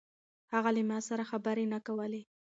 هغه له ما سره خبرې نه کولې.